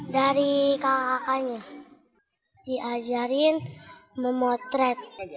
dari kakak kakaknya diajarin memotret